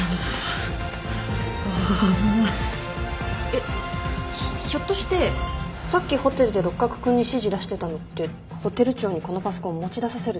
えっひょっとしてさっきホテルで六角君に指示出してたのってホテル長にこのパソコンを持ち出させるため？